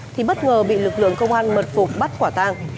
thì bất ngờ bị lực lượng công an mật phục bắt quả tang